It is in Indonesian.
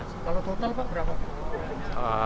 kalau total berapa